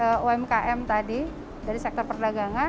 dogs omos di umkm tadi dari sektor perdagangan